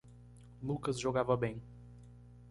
Lucas jogava bem.